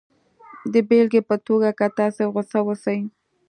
د بېلګې په توګه که تاسې غسه اوسئ